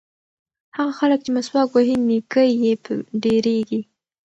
هغه خلک چې مسواک وهي نیکۍ یې ډېرېږي.